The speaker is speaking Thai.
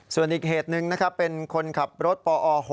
ส่วนอีกเหตุหนึ่งเป็นคนขับรถปอ๖๘